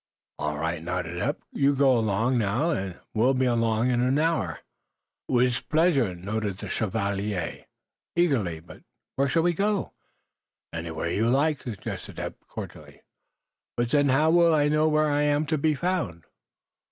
"All right," nodded Eph. "You go along, now, and we'll be along in an hour." "Wiz pleasure," nodded the chevalier, eagerly. "But we're shall I go?" "Anywhere you like," suggested Eph, cordially. "But, zen, how will you know w'ere I am to be found?"